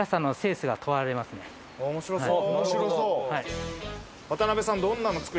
面白そう。